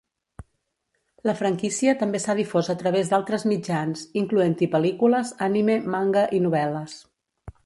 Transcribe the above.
La franquícia també s'ha difós a través d’altres mitjans, incloent-hi pel·lícules, anime, manga i novel·les.